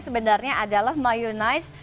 sebenarnya adalah mayonnaise